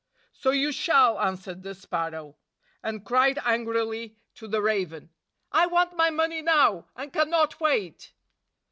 "So you shall," answered the sparrow, and cried angrily to the raven, "I want my money now, and cannot wait!"